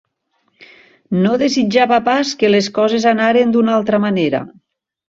No desitjava pas que les coses anaren d'una altra manera.